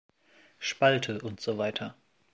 Spalte usw.